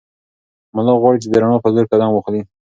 ملا غواړي چې د رڼا په لور قدم واخلي.